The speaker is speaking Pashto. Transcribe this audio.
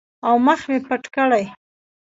او مخ مې پټ کړي.